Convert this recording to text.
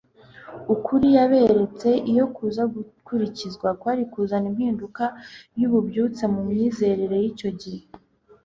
Ukuri yaberetse, iyo kuza gukurikizwa kwari kuzana impinduka n'ububyutse mu myizezere y'icyo gihe